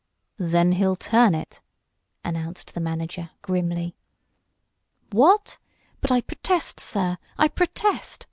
"Then he'll turn it!" announced the manager, grimly. "What! But I protest, sir! I protest!"